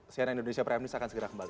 cnn indonesia prime news akan segera kembali